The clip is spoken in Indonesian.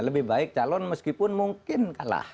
lebih baik calon meskipun mungkin kalah